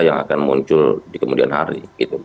yang akan muncul di kemudian hari